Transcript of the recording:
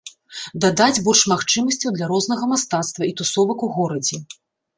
Дадаць больш магчымасцяў для рознага мастацтва і тусовак у горадзе.